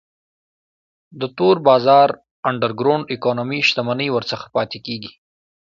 د تور بازار Underground Economy شتمنۍ ورڅخه پاتې کیږي.